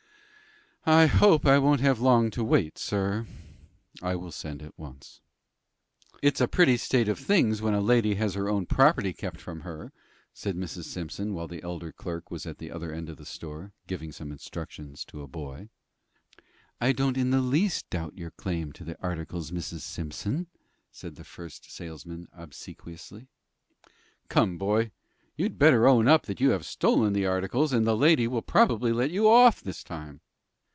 "I hope I won't have long to wait, sir." "I will send at once." "It's a pretty state of things when a lady has her own property kept from her," said Mrs. Simpson, while the elder clerk was at the other end of the store, giving some instructions to a boy. "I don't in the least doubt your claim to the articles, Mrs. Simpson," said the first salesman, obsequiously. "Come, boy, you'd better own up that you have stolen the articles, and the lady will probably let you off this time."